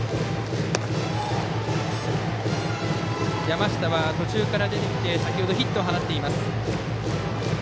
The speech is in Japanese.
山下は途中から出てきて先程ヒットを放っています。